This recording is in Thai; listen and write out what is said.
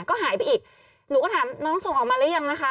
ก็หายไปอีกหนูก็ถามน้องส่งออกมาหรือยังนะคะ